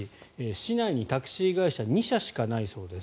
市内にタクシー会社２社しかないそうです。